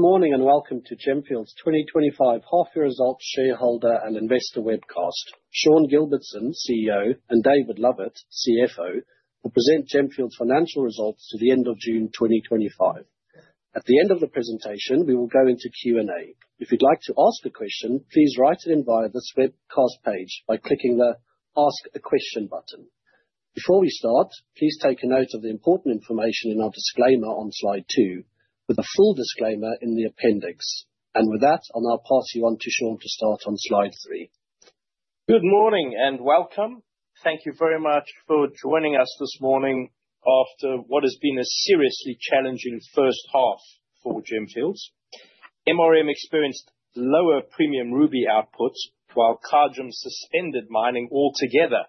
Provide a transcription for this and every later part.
Good morning and welcome to Gemfields 2025 Half-Year Results Shareholder and Investor Webcast. Sean Gilbertson, CEO, and David Lovett, CFO, will present Gemfields financial results to the end of June 2025. At the end of the presentation, we will go into Q&A. If you'd like to ask a question, please write it in via this webcast page by clicking the Ask a Question button. Before we start, please take a note of the important information in our disclaimer on slide two, with the full disclaimer in the appendix. And with that, I'll now pass you on to Sean to start on slide three. Good morning and welcome. Thank you very much for joining us this morning after what has been a seriously challenging first half for Gemfields. MRM experienced lower premium ruby outputs while Kagem suspended mining altogether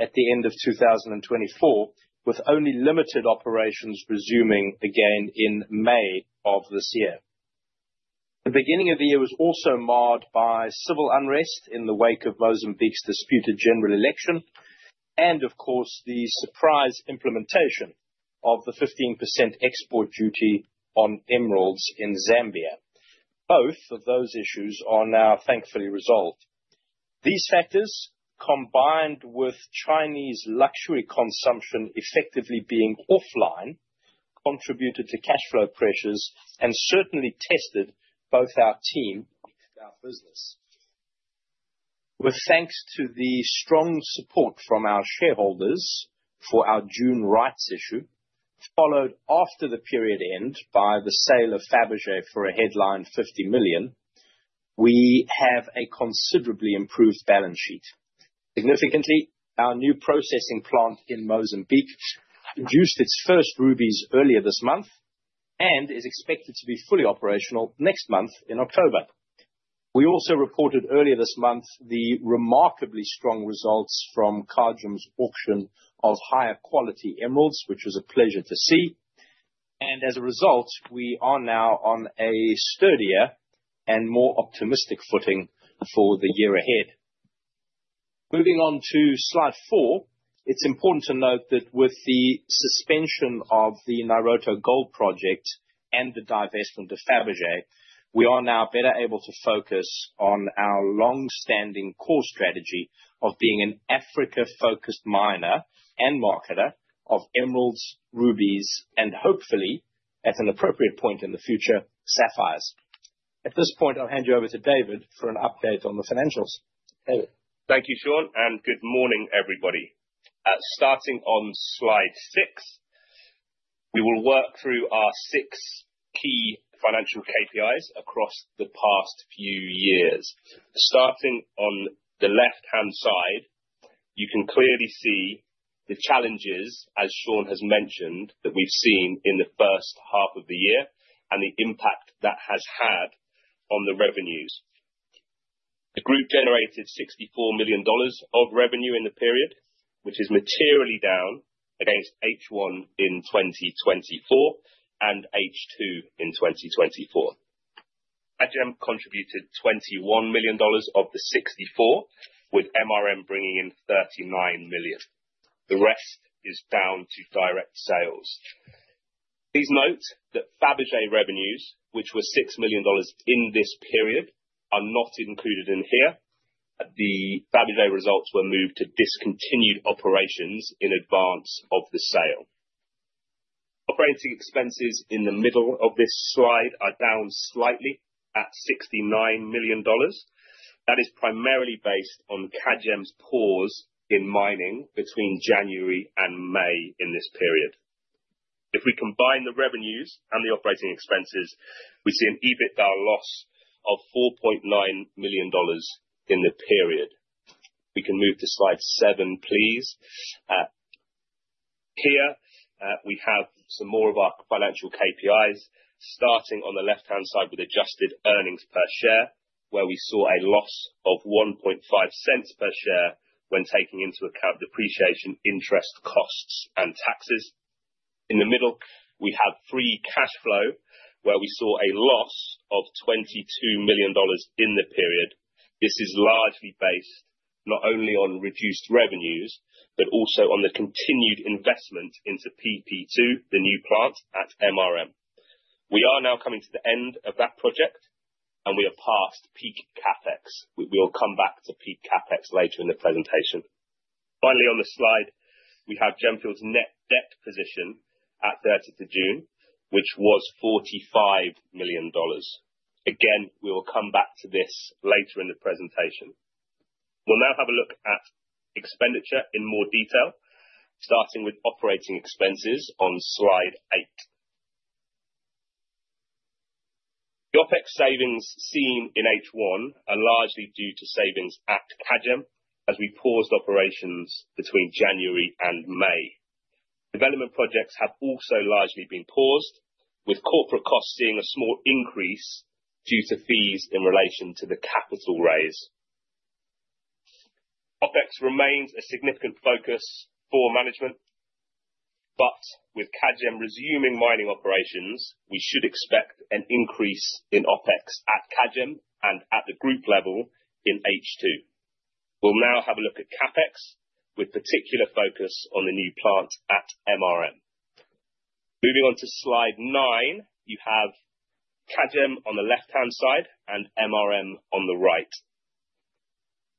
at the end of 2024, with only limited operations resuming again in May of this year. The beginning of the year was also marred by civil unrest in the wake of Mozambique's disputed general election and, of course, the surprise implementation of the 15% export duty on emeralds in Zambia. Both of those issues are now thankfully resolved. These factors, combined with Chinese luxury consumption effectively being offline, contributed to cash flow pressures and certainly tested both our team and our business. With thanks to the strong support from our shareholders for our June rights issue, followed after the period end by the sale of Fabergé for a headline $50 million, we have a considerably improved balance sheet. Significantly, our new processing plant in Mozambique produced its first rubies earlier this month and is expected to be fully operational next month in October. We also reported earlier this month the remarkably strong results from Kagem's auction of higher quality emeralds, which was a pleasure to see, and as a result, we are now on a sturdier and more optimistic footing for the year ahead. Moving on to slide four, it's important to note that with the suspension of the Nairoto Gold Project and the divestment of Fabergé, we are now better able to focus on our long-standing core strategy of being an Africa-focused miner and marketer of emeralds, rubies, and hopefully, at an appropriate point in the future, sapphires. At this point, I'll hand you over to David for an update on the financials. David. Thank you, Sean, and good morning, everybody. Starting on slide six, we will work through our six key financial KPIs across the past few years. Starting on the left-hand side, you can clearly see the challenges, as Sean has mentioned, that we've seen in the first half of the year and the impact that has had on the revenues. The group generated $64 million of revenue in the period, which is materially down against H1 in 2024 and H2 in 2024. Kagem contributed $21 million of the $64, with MRM bringing in $39 million. The rest is down to direct sales. Please note that Fabergé revenues, which were $6 million in this period, are not included in here. The Fabergé results were moved to discontinued operations in advance of the sale. Operating expenses in the middle of this slide are down slightly at $69 million. That is primarily based on Kagem pause in mining between January and May in this period. If we combine the revenues and the operating expenses, we see an EBITDA loss of $4.9 million in the period. We can move to slide seven, please. Here we have some more of our financial KPIs, starting on the left-hand side with adjusted earnings per share, where we saw a loss of $0.015 per share when taking into account depreciation, interest, costs, and taxes. In the middle, we have free cash flow, where we saw a loss of $22 million in the period. This is largely based not only on reduced revenues, but also on the continued investment into PP2, the new plant at MRM. We are now coming to the end of that project, and we are past peak CapEx. We will come back to peak CapEx later in the presentation. Finally, on the slide, we have Gemfields' net debt position at 30 June, which was $45 million. Again, we will come back to this later in the presentation. We'll now have a look at expenditure in more detail, starting with operating expenses on slide eight. The OpEx savings seen in H1 are largely due to savings at Kagem as we paused operations between January and May. Development projects have also largely been paused, with corporate costs seeing a small increase due to fees in relation to the capital raise. OpEx remains a significant focus for management, but with Kagem resuming mining operations, we should expect an increase in OpEx at Kagem and at the group level in H2. We'll now have a look at CapEx, with particular focus on the new plant at MRM. Moving on to slide nine, you have Kagem on the left-hand side and MRM on the right.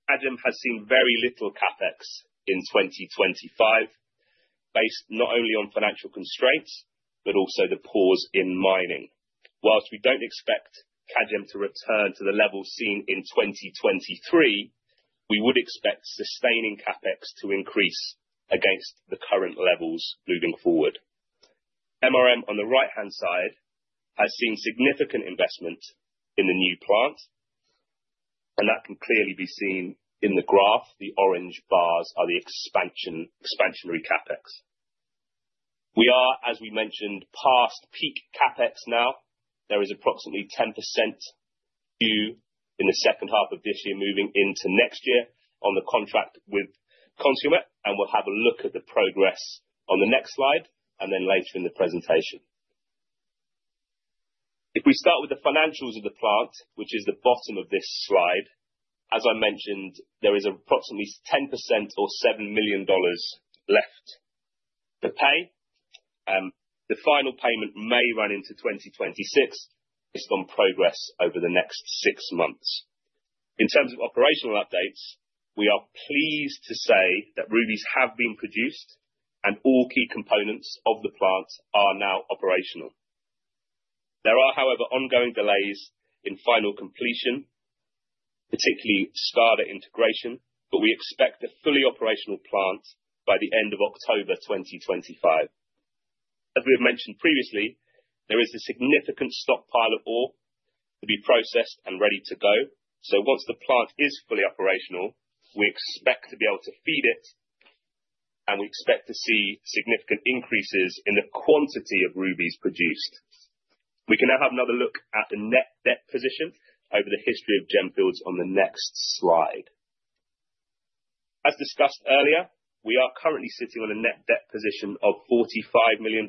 Kagem has seen very little CapEx in 2025, based not only on financial constraints, but also the pause in mining. While we don't expect Kagem to return to the level seen in 2023, we would expect sustaining CapEx to increase against the current levels moving forward. MRM on the right-hand side has seen significant investment in the new plant, and that can clearly be seen in the graph. The orange bars are the expansionary CapEx. We are, as we mentioned, past peak CapEx now. There is approximately 10% due in the second half of this year moving into next year on the contract with Consulmet, and we'll have a look at the progress on the next slide and then later in the presentation. If we start with the financials of the plant, which is the bottom of this slide, as I mentioned, there is approximately 10% or $7 million left to pay. The final payment may run into 2026 based on progress over the next six months. In terms of operational updates, we are pleased to say that rubies have been produced and all key components of the plant are now operational. There are, however, ongoing delays in final completion, particularly starter integration, but we expect a fully operational plant by the end of October 2025. As we have mentioned previously, there is a significant stockpile of ore to be processed and ready to go. So once the plant is fully operational, we expect to be able to feed it, and we expect to see significant increases in the quantity of rubies produced. We can now have another look at the net debt position over the history of Gemfields on the next slide. As discussed earlier, we are currently sitting on a net debt position of $45 million.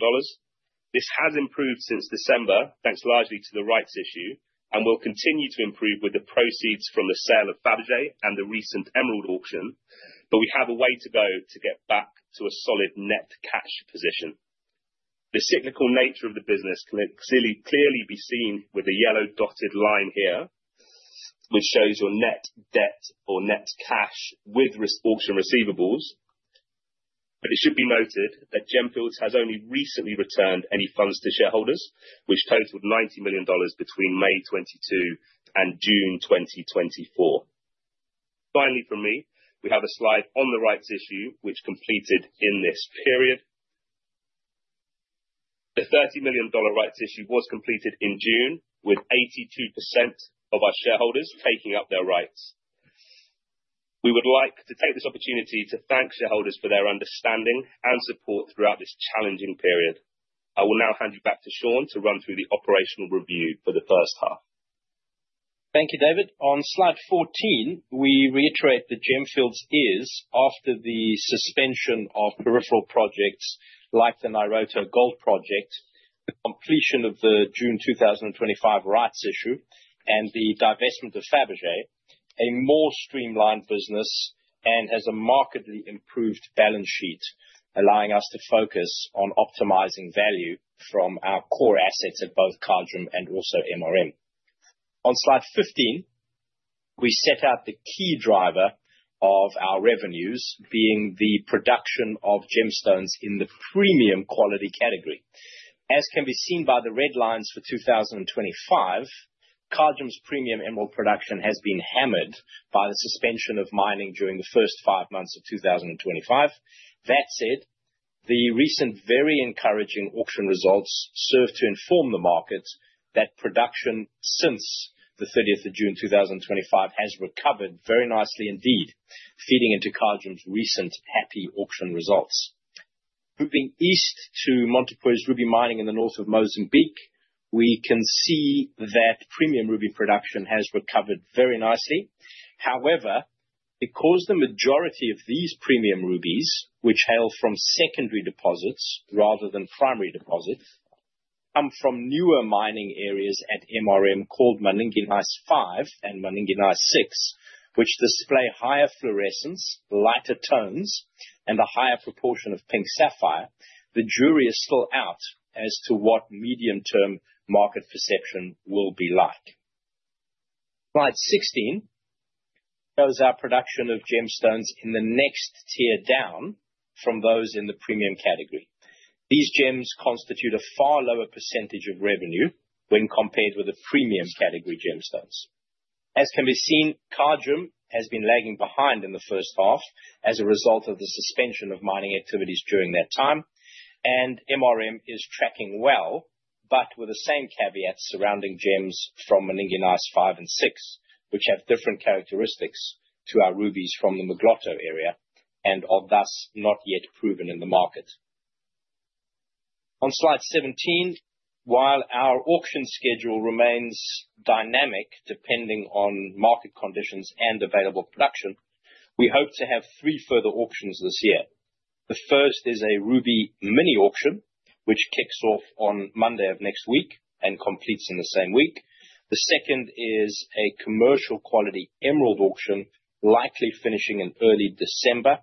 This has improved since December, thanks largely to the rights issue, and will continue to improve with the proceeds from the sale of Fabergé and the recent emerald auction, but we have a way to go to get back to a solid net cash position. The cyclical nature of the business can clearly be seen with the yellow dotted line here, which shows your net debt or net cash with auction receivables. But it should be noted that Gemfields has only recently returned any funds to shareholders, which totaled $90 million between May 2022 and June 2024. Finally, for me, we have a slide on the rights issue which completed in this period. The $30 million rights issue was completed in June, with 82% of our shareholders taking up their rights. We would like to take this opportunity to thank shareholders for their understanding and support throughout this challenging period. I will now hand you back to Sean to run through the operational review for the first half. Thank you, David. On slide 14, we reiterate that Gemfields is, after the suspension of peripheral projects like the Nairoto Gold Project, the completion of the June 2025 rights issue, and the divestment of Fabergé, a more streamlined business and has a markedly improved balance sheet, allowing us to focus on optimizing value from our core assets at both Kagem and also MRM. On slide 15, we set out the key driver of our revenues being the production of gemstones in the premium quality category. As can be seen by the red lines for 2025, Kagem's premium emerald production has been hammered by the suspension of mining during the first five months of 2025. That said, the recent very encouraging auction results serve to inform the market that production since the 30th of June 2025 has recovered very nicely indeed, feeding into Kagem's recent happy auction results. Moving east to Montepuez Ruby Mining in the north of Mozambique, we can see that premium ruby production has recovered very nicely. However, because the majority of these premium rubies, which hail from secondary deposits rather than primary deposits, come from newer mining areas at MRM called Maninge Nice 5 and Maninge Nice 6, which display higher fluorescence, lighter tones, and a higher proportion of pink sapphire, the jury is still out as to what medium-term market perception will be like. Slide 16 shows our production of gemstones in the next tier down from those in the premium category. These gems constitute a far lower percentage of revenue when compared with the premium category gemstones. As can be seen, Kagem has been lagging behind in the first half as a result of the suspension of mining activities during that time, and MRM is tracking well, but with the same caveats surrounding gems from Maninge Nice 5 and 6, which have different characteristics to our rubies from the Mugloto area and are thus not yet proven in the market. On slide 17, while our auction schedule remains dynamic depending on market conditions and available production, we hope to have three further auctions this year. The first is a ruby mini auction, which kicks off on Monday of next week and completes in the same week. The second is a commercial quality emerald auction, likely finishing in early December.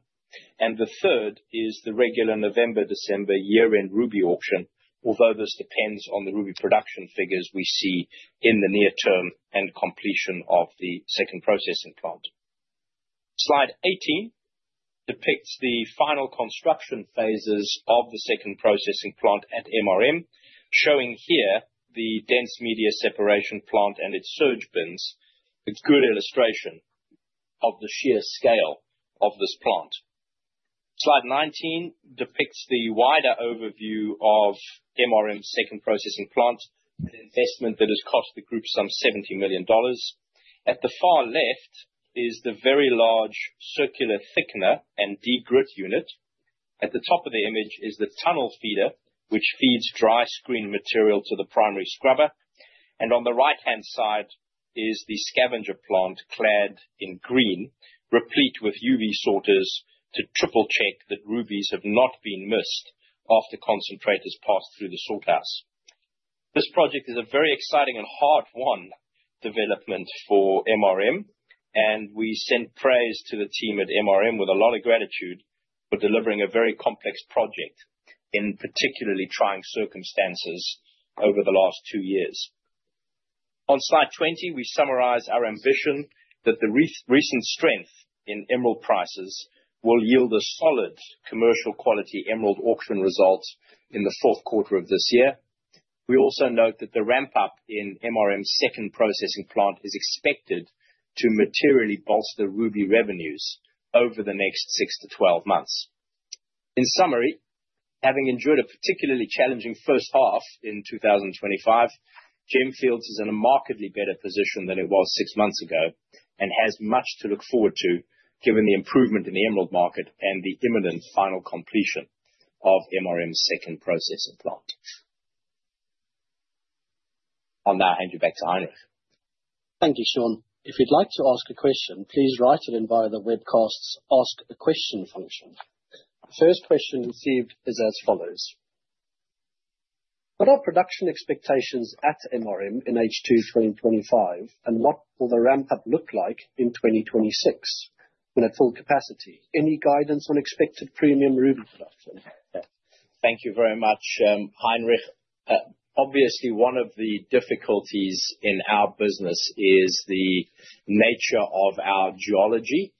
And the third is the regular November-December year-end ruby auction, although this depends on the ruby production figures we see in the near term and completion of the second processing plant. Slide 18 depicts the final construction phases of the second processing plant at MRM, showing here the dense media separation plant and its surge bins, a good illustration of the sheer scale of this plant. Slide 19 depicts the wider overview of MRM's second processing plant and investment that has cost the group some $70 million. At the far left is the very large circular thickener and degrit unit. At the top of the image is the tunnel feeder, which feeds dry screen material to the primary scrubber. And on the right-hand side is the scavenger plant clad in green, replete with UV sorters to triple-check that rubies have not been missed after concentrators passed through the sort house. This project is a very exciting and hard-won development for MRM, and we send praise to the team at MRM with a lot of gratitude for delivering a very complex project in particularly trying circumstances over the last two years. On slide 20, we summarize our ambition that the recent strength in emerald prices will yield a solid commercial quality emerald auction result in the fourth quarter of this year. We also note that the ramp-up in MRM's second processing plant is expected to materially bolster ruby revenues over the next six to 12 months. In summary, having endured a particularly challenging first half in 2025, Gemfields is in a markedly better position than it was six months ago and has much to look forward to given the improvement in the emerald market and the imminent final completion of MRM's second processing plant. I'll now hand you back to Heinrich. Thank you, Sean. If you'd like to ask a question, please write it in via the webcast's Ask a Question function. The first question received is as follows. What are production expectations at MRM in H2 2025, and what will the ramp-up look like in 2026 when at full capacity? Any guidance on expected premium ruby production? Thank you very much, Heinrich. Obviously, one of the difficulties in our business is the nature of our geology,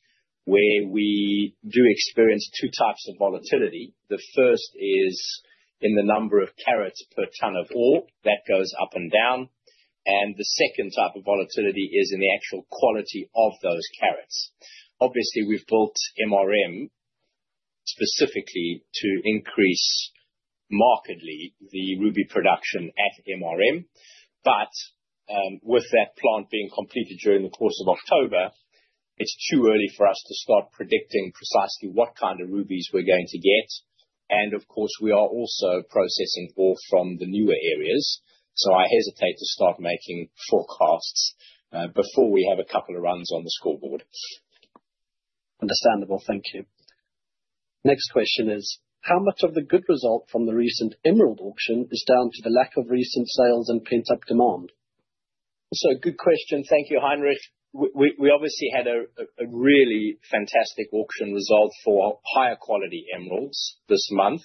where we do experience two types of volatility. The first is in the number of carats per ton of ore that goes up and down, and the second type of volatility is in the actual quality of those carats. Obviously, we've built MRM specifically to increase markedly the ruby production at MRM, but with that plant being completed during the course of October, it's too early for us to start predicting precisely what kind of rubies we're going to get. Of course, we are also processing ore from the newer areas, so I hesitate to start making forecasts before we have a couple of runs on the scoreboard. Understandable. Thank you. Next question is, how much of the good result from the recent emerald auction is down to the lack of recent sales and pent-up demand? So, good question. Thank you, Heinrich. We obviously had a really fantastic auction result for higher quality emeralds this month,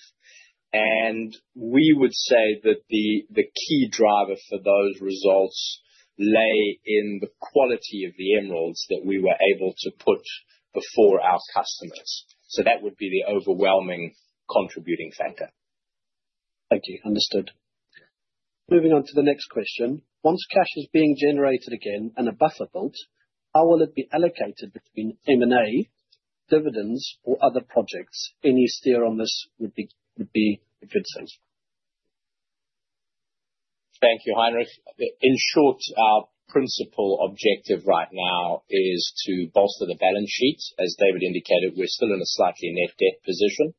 and we would say that the key driver for those results lay in the quality of the emeralds that we were able to put before our customers. So that would be the overwhelming contributing factor. Thank you. Understood. Moving on to the next question. Once cash is being generated again and a buffer built, how will it be allocated between M&A, dividends, or other projects? Any steer on this would be a good thing. Thank you, Heinrich. In short, our principal objective right now is to bolster the balance sheet. As David indicated, we're still in a slightly net debt position,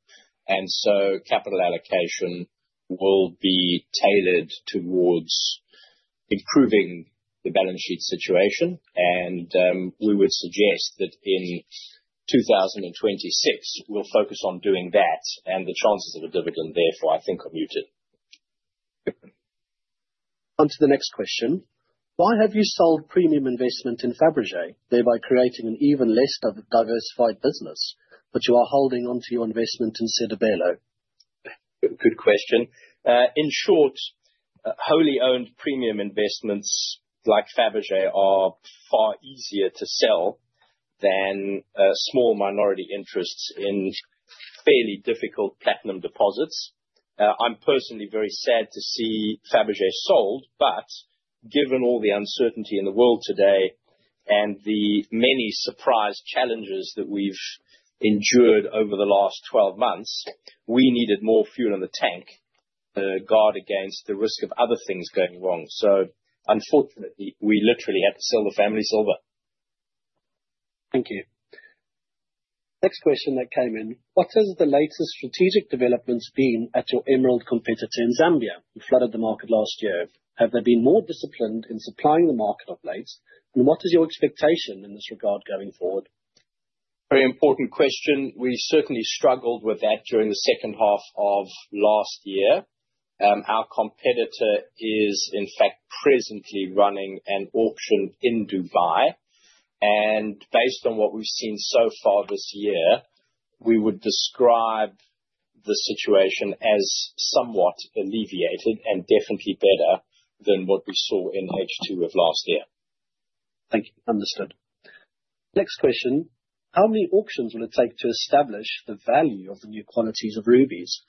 and so capital allocation will be tailored towards improving the balance sheet situation, and we would suggest that in 2026, we'll focus on doing that, and the chances of a dividend, therefore, I think, are muted. On to the next question. Why have you sold premium investment in Fabergé, thereby creating an even less diversified business, but you are holding onto your investment in Sedibelo? Good question. In short, wholly owned premium investments like Fabergé are far easier to sell than small minority interests in fairly difficult platinum deposits. I'm personally very sad to see Fabergé sold, but given all the uncertainty in the world today and the many surprise challenges that we've endured over the last 12 months, we needed more fuel in the tank to guard against the risk of other things going wrong. So unfortunately, we literally had to sell the family silver. Thank you. Next question that came in. What has the latest strategic developments been at your emerald competitor in Zambia who flooded the market last year? Have they been more disciplined in supplying the market of late, and what is your expectation in this regard going forward? Very important question. We certainly struggled with that during the second half of last year. Our competitor is, in fact, presently running an auction in Dubai, and based on what we've seen so far this year, we would describe the situation as somewhat alleviated and definitely better than what we saw in H2 of last year. Thank you. Understood. Next question. How many auctions will it take to establish the value of the new qualities of rubies?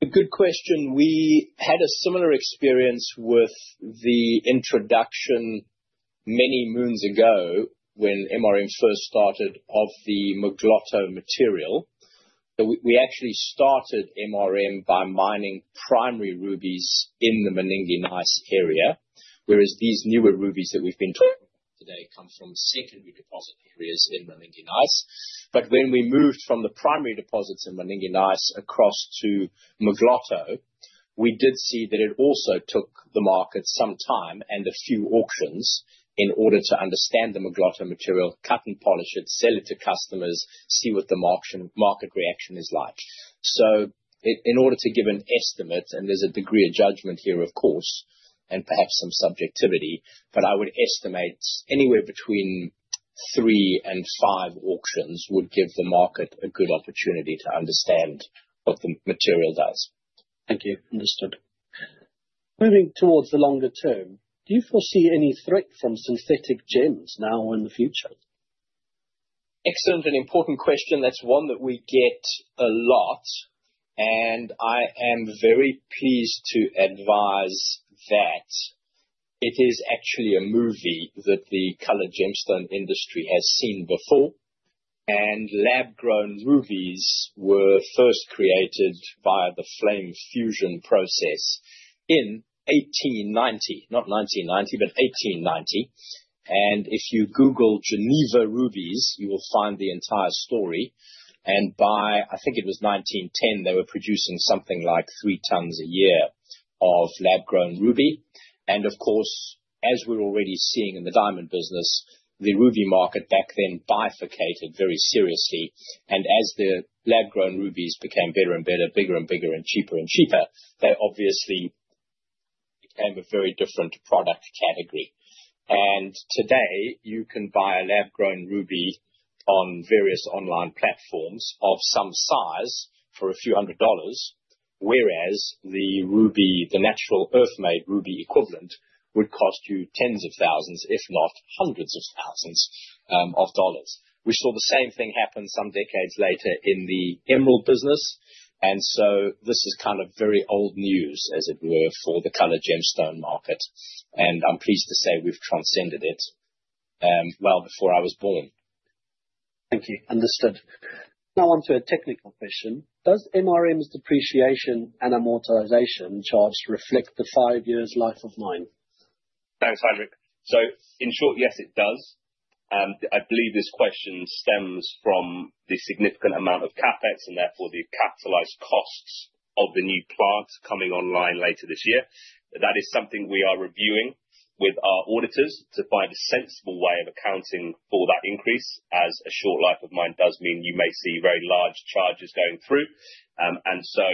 A good question. We had a similar experience with the introduction many moons ago when MRM first started of the Mugloto material. We actually started MRM by mining primary rubies in the Maninge Nice area, whereas these newer rubies that we've been talking about today come from secondary deposit areas in Maninge Nice. But when we moved from the primary deposits in Maninge Nice across to Mugloto, we did see that it also took the market some time and a few auctions in order to understand the Mugloto material, cut and polish it, sell it to customers, see what the market reaction is like. So in order to give an estimate, and there's a degree of judgment here, of course, and perhaps some subjectivity, but I would estimate anywhere between three and five auctions would give the market a good opportunity to understand what the material does. Thank you. Understood. Moving towards the longer term, do you foresee any threat from synthetic gems now or in the future? Excellent and important question. That's one that we get a lot, and I am very pleased to advise that it is actually a movie that the colored gemstone industry has seen before, and lab-grown rubies were first created via the flame fusion process in 1890, not 1990, but 1890, and if you Google Geneva rubies, you will find the entire story, and by, I think it was 1910, they were producing something like three tons a year of lab-grown ruby. And of course, as we're already seeing in the diamond business, the ruby market back then bifurcated very seriously, and as the lab-grown rubies became better and better, bigger and bigger, and cheaper and cheaper, they obviously became a very different product category. Today, you can buy a lab-grown ruby on various online platforms of some size for a few hundred dollars, whereas the ruby, the natural earth-made ruby equivalent, would cost you tens of thousands, if not hundreds of thousands of dollars. We saw the same thing happen some decades later in the emerald business, and so this is kind of very old news, as it were, for the colored gemstone market. I'm pleased to say we've transcended it well before I was born. Thank you. Understood. Now on to a technical question. Does MRM's depreciation and amortization charge reflect the five years' life of mine? Thanks, Heinrich. So in short, yes, it does. I believe this question stems from the significant amount of CapEx and therefore the capitalized costs of the new plant coming online later this year. That is something we are reviewing with our auditors to find a sensible way of accounting for that increase, as a short life of mine does mean you may see very large charges going through. And so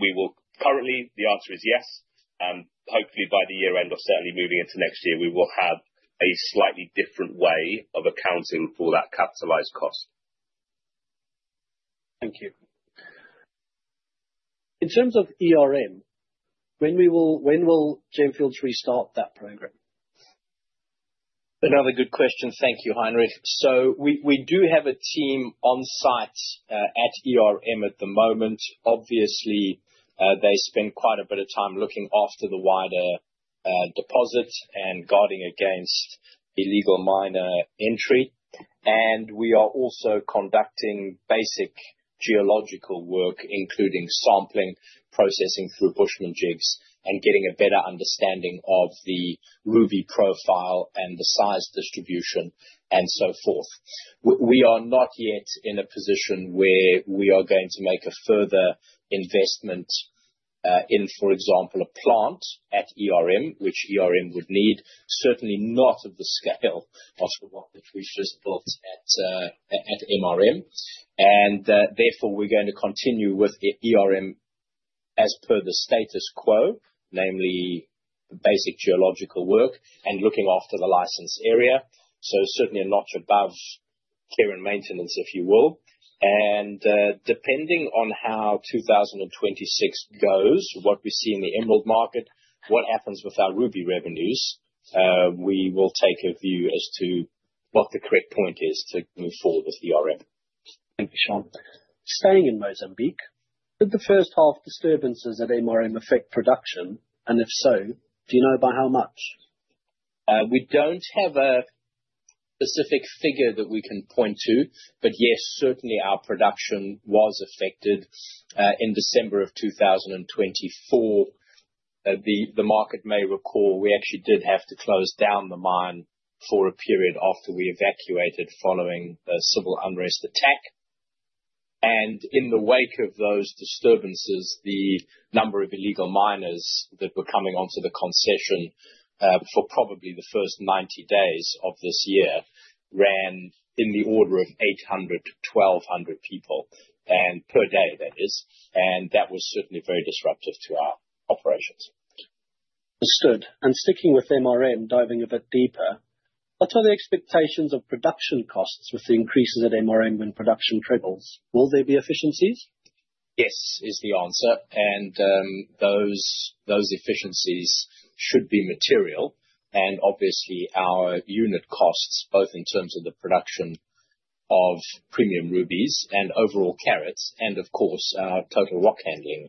we will currently, the answer is yes. Hopefully, by the year-end or certainly moving into next year, we will have a slightly different way of accounting for that capitalized cost. Thank you. In terms of ERM when will Gemfields restart that program? Another good question. Thank you, Heinrich. So we do have a team on site at the moment. Obviously, they spend quite a bit of time looking after the wider deposits and guarding against illegal miner entry. And we are also conducting basic geological work, including sampling, processing through Bushman jigs, and getting a better understanding of the ruby profile and the size distribution and so forth. We are not yet in a position where we are going to make a further investment in, for example, a plant at ERM which ERM would need, certainly not of the scale of the one that we've just built at MRM. And therefore, we're going to continue with ERM as per the status quo, namely basic geological work and looking after the licensed area, so certainly a notch above care and maintenance, if you will. Depending on how 2026 goes, what we see in the emerald market, what happens with our ruby revenues, we will take a view as to what the correct point is to move forward with ERM. Thank you, Sean. Staying in Mozambique, did the first half disturbances at MRM affect production, and if so, do you know by how much? We don't have a specific figure that we can point to, but yes, certainly our production was affected in December of 2024. The market may recall we actually did have to close down the mine for a period after we evacuated following a civil unrest attack. And in the wake of those disturbances, the number of illegal miners that were coming onto the concession for probably the first 90 days of this year ran in the order of 800-1,200 people, and per day, that is. And that was certainly very disruptive to our operations. Understood. And sticking with MRM, diving a bit deeper, what are the expectations of production costs with the increases at MRM when production triples? Will there be efficiencies? Yes, is the answer. And those efficiencies should be material. And obviously, our unit costs, both in terms of the production of premium rubies and overall carats, and of course, our total rock handling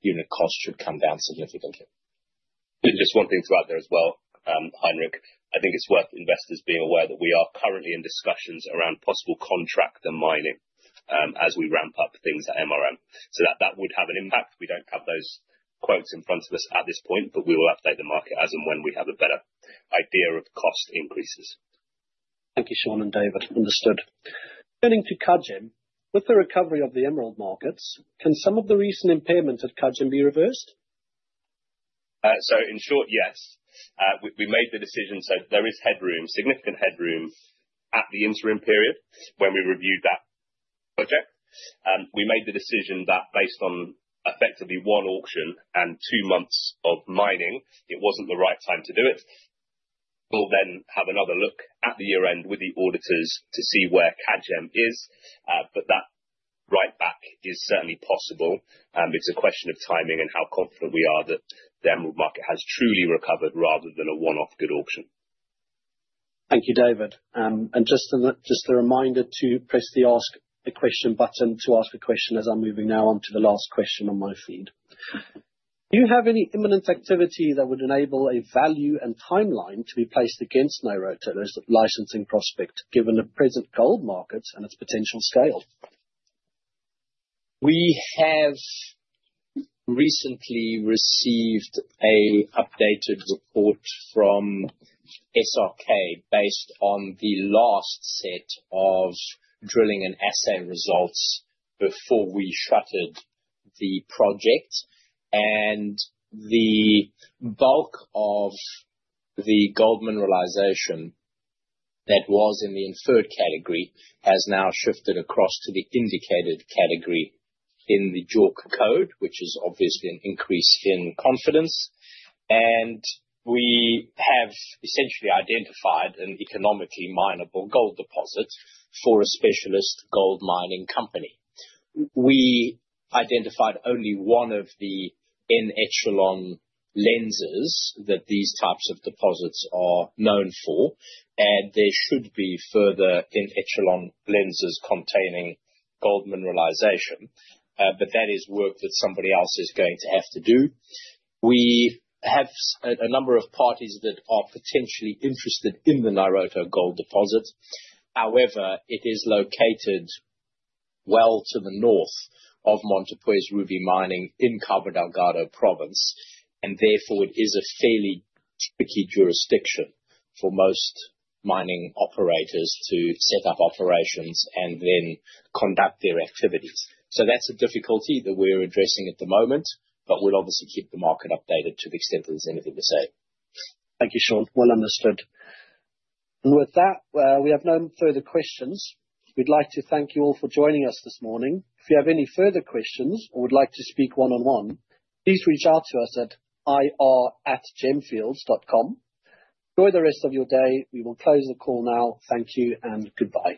unit costs should come down significantly. Just one thing to add there as well, Heinrich. I think it's worth investors being aware that we are currently in discussions around possible contract mining as we ramp up things at MRM. So that would have an impact. We don't have those quotes in front of us at this point, but we will update the market as and when we have a better idea of cost increases. Thank you, Sean and David. Understood. Turning to Kagem, with the recovery of the emerald markets, can some of the recent impairments at Kagem be reversed? So in short, yes. We made the decision, so there is headroom, significant headroom at the interim period when we reviewed that project. We made the decision that based on effectively one auction and two months of mining, it wasn't the right time to do it. We'll then have another look at the year-end with the auditors to see where Kagem is, but that write-back is certainly possible. It's a question of timing and how confident we are that the emerald market has truly recovered rather than a one-off good auction. Thank you, David. And just a reminder to press the ask a question button to ask a question as I'm moving now on to the last question on my feed. Do you have any imminent activity that would enable a value and timeline to be placed against Nairoto as a licensing prospect, given the present gold market and its potential scale? We have recently received an updated report from SRK based on the last set of drilling and assay results before we shuttered the project, and the bulk of the gold mineralization that was in the inferred category has now shifted across to the indicated category in the JORC Code, which is obviously an increase in confidence, and we have essentially identified an economically minable gold deposit for a specialist gold mining company. We identified only one of the en-echelon lenses that these types of deposits are known for, and there should be further en-echelon lenses containing gold mineralization, but that is work that somebody else is going to have to do. We have a number of parties that are potentially interested in the Nairoto gold deposit. However, it is located well to the north of Montepuez Ruby Mining in Cabo Delgado Province, and therefore it is a fairly tricky jurisdiction for most mining operators to set up operations and then conduct their activities. So that's a difficulty that we're addressing at the moment, but we'll obviously keep the market updated to the extent that there's anything to say. Thank you, Sean. Well understood. And with that, we have no further questions. We'd like to thank you all for joining us this morning. If you have any further questions or would like to speak one-on-one, please reach out to us at ir@gemfields.com. Enjoy the rest of your day. We will close the call now. Thank you and goodbye.